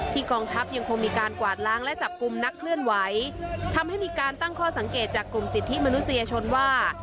กองทัพยังคงมีการกวาดล้างและจับกลุ่มนักเคลื่อนไหวทำให้มีการตั้งข้อสังเกตจากกลุ่มสิทธิมนุษยชนว่า